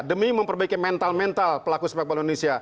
demi memperbaiki mental mental pelaku sepak bola indonesia